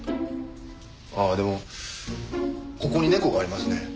あっでもここに猫がありますね。